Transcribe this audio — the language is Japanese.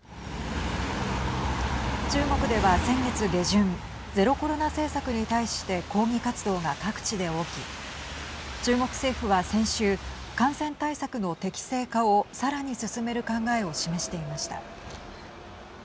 中国では先月下旬ゼロコロナ政策に対して抗議活動が各地で起き、中国政府は先週感染対策の適正化をさらに進める考えを示していました。